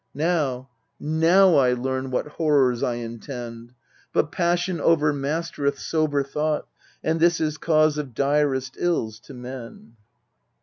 Now, now, I learn what horrors I intend : But passion overmastered sober thought: And this is cause of direst ills to men.